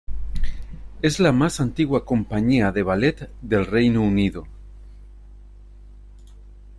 Es la más antigua compañía de ballet del Reino Unido.